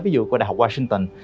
ví dụ của đại học washington